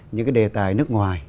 những cái đề tài nước ngoài